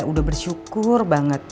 udah bersyukur banget